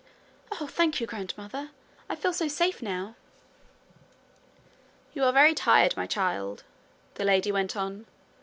'Oh, thank you, grandmother! I feel so safe now!' 'You are very tired, my child,' the lady went on.